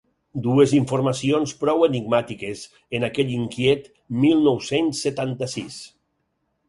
Dues informacions prou enigmàtiques en aquell inquiet mil nou-cents setanta-sis.